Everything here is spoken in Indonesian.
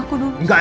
aku mau kabur